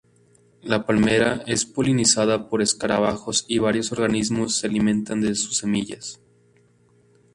La palmera es polinizada por escarabajos, y varios organismos se alimentan de sus semillas.